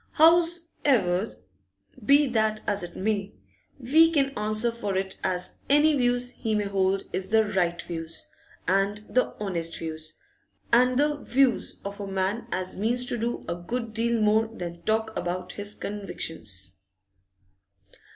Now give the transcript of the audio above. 'Hows'ever, be that as it may, we can answer for it as any views he may hold is the right views, and the honest views, and the views of a man as means to do a good deal more than talk about his convictions!